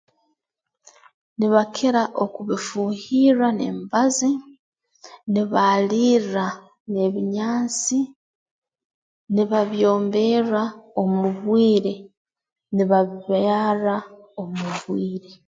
Nibakira okubifuuhirra n'emibazi nibalirra n'ebinyansi nibabyomberra omu bwire nibabibyarra omu bwire